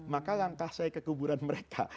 maka langkah saya ke kuburan mereka